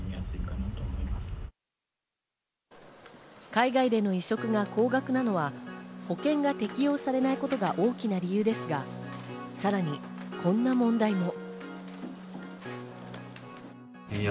海外での移植が高額なのは、保険が適用されないことが大きな理由ですが、さらにこんな問題も。